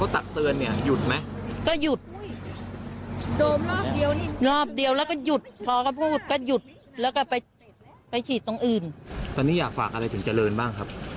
ตอนนี้อยากฝากอะไรถึงเจริญบ้างครับ